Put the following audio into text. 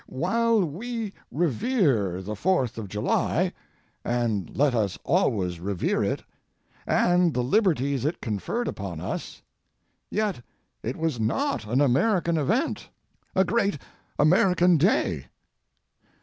While we revere the Fourth of July—and let us always revere it, and the liberties it conferred upon us—yet it was not an American event, a great American day.